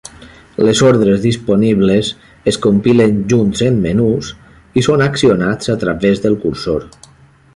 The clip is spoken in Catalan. Les ordres disponibles es compilen junts en menús i són accionats a través del cursor.